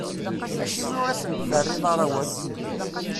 Acimi ur asent-terriḍ ara awal?